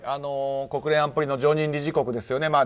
国連安保理の常任理事国ですよね。